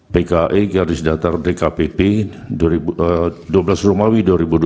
pke garis datar dkpp dua belas rumawi dua ribu dua puluh tiga